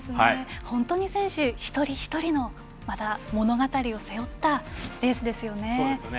本当に選手一人一人が物語を背負ったレースですよね。